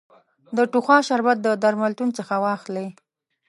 د ټوخا شربت د درملتون څخه واخلی